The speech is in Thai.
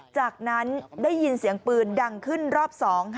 จากนั้นได้ยินเสียงปืนดังขึ้นรอบ๒